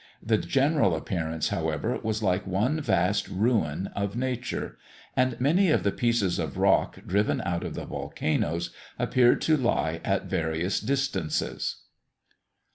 The general appearance, however, was like one vast ruin of nature; and many of the pieces of rock driven out of the volcanoes, appeared to lie at various distances.